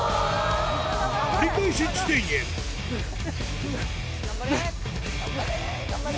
折り返し地点へ頑張れ！